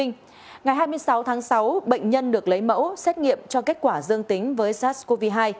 ngày hai mươi sáu tháng sáu bệnh nhân được lấy mẫu xét nghiệm cho kết quả dương tính với sars cov hai